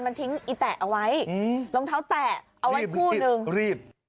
มันทิ้งอีแตะเอาไว้รองเท้าแตะเอาไว้คู่นึงรีบ